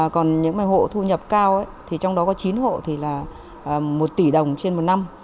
còn những hộ thu nhập cao thì trong đó có chín hộ thì là một tỷ đồng trên một năm